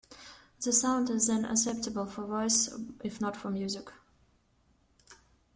The sound is then acceptable for voice, if not for music.